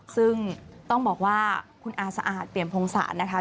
ซึ่งต้องบอกว่าคุณอาสะอาดเปรียมพงศาลนะคะ